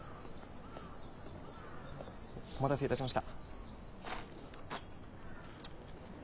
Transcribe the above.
お待たせいたしました。